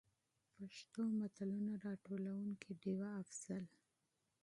پښتو متلونو: راټولونکې ډيـوه افـضـل.